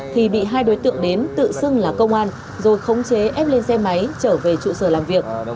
thì bị hai đối tượng đến tự xưng là công an rồi khống chế ép lên xe máy trở về trụ sở làm việc